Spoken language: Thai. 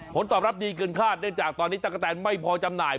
ผลตอบรับดีเกินคาดเนื่องจากตอนนี้ตะกะแตนไม่พอจำหน่าย